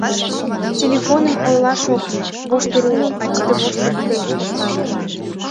Телефоным ойлаш ок лий; воштыр уло, а тиде воштыр деч посна вет...